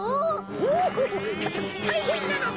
おおたたたいへんなのだ！